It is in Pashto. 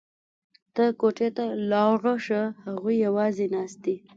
ته کوټې ته لاړه شه هغوی یوازې ناست دي